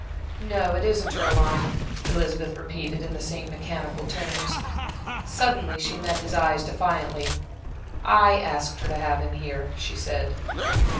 "No, it isn't her line," Elizabeth repeated, in the same mechanical tones. Suddenly she met his eyes defiantly. "I asked her to have him here," she said.